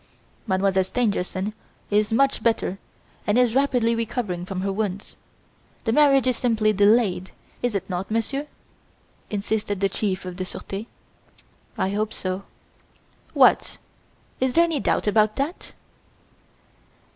"Mademoiselle Stangerson is much better and is rapidly recovering from her wounds. The marriage is simply delayed, is it not, Monsieur?" insisted the Chief of the Surete. "I hope so. "What! Is there any doubt about that?"